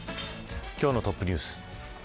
今日のトップニュース。